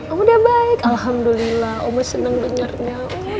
oh udah baik alhamdulillah om senang dengarnya